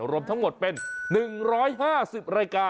รวมทั้งหมดเป็น๑๕๐รายการ